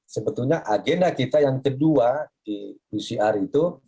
sebetulnya agenda kita yang kedua di pcr itu